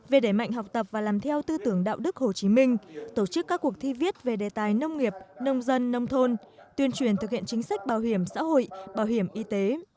về đẩy mạnh học tập và làm theo tư tưởng đạo đức hồ chí minh tổ chức các cuộc thi viết về đề tài nông nghiệp nông dân nông thôn tuyên truyền thực hiện chính sách bảo hiểm xã hội bảo hiểm y tế